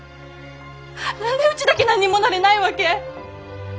何でうちだけ何にもなれないわけ？